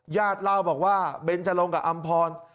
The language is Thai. ญาติเล่าบอกว่าเบนจรงกับอำพร